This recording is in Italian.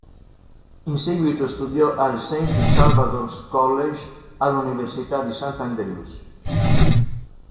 In seguito studiò al St Salvator's College, alla Università di St. Andrews.